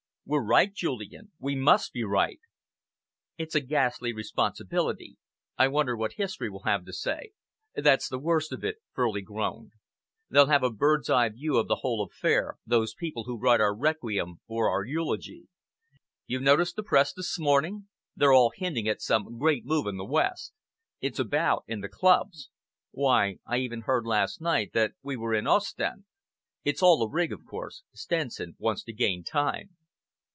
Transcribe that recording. We're right, Julian. We must be right!" "It's a ghastly responsibility. I wonder what history will have to say." "That's the worst of it," Furley groaned. "They'll have a bird's eye view of the whole affair, those people who write our requiem or our eulogy. You noticed the Press this morning? They're all hinting at some great move in the West. It's about in the clubs. Why, I even heard last night that we were in Ostend. It's all a rig, of course. Stenson wants to gain time."